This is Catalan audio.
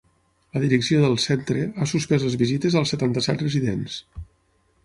La direcció del centre ha suspès les visites als setanta-set residents.